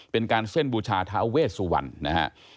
เป็นการเส้นบูชาท้าเวสวรรณนะฮะ